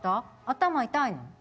頭痛いの？